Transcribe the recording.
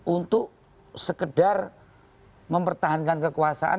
untuk sekedar mempertahankan kekuasaan